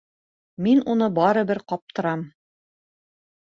Мин уны барыбер ҡаптырам...